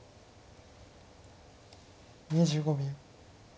２５秒。